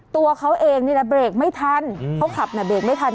ตัวเขาเองนี่แหละเบรกไม่ทันเขาขับน่ะเบรกไม่ทัน